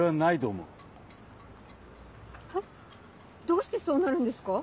どうしてそうなるんですか？